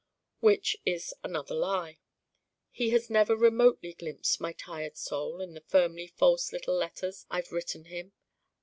Which is another lie. He has never remotely glimpsed my tired Soul in the firmly false little letters I've written him.